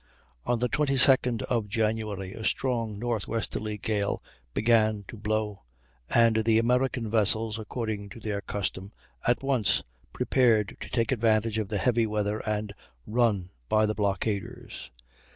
On the 22d of January a strong northwesterly gale began to blow, and the American vessels, according to their custom, at once prepared to take advantage of the heavy weather and run by the blockaders.